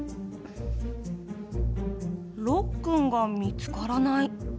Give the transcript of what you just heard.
ろっくんが、みつからない。